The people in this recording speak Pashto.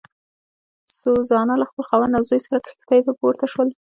سوزانا له خپل خاوند او زوی سره کښتۍ ته پورته شول.